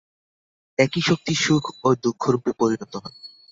একই শক্তি সুখ ও দুঃখরূপে পরিণত হয়।